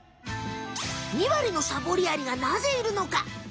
２割のサボリアリがナゼいるのか？